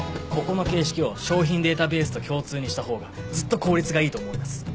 ここの形式を商品データベースと共通にした方がずっと効率がいいと思います。